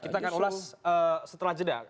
kita akan ulas setelah jeda